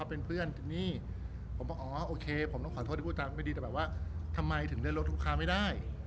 ผมบอกอ๋อโอเคผมต้องขอโทษที่พูดจังไม่ดีแต่แบบว่าทำไมถึงเลื่อนรถลูกค้าไม่ได้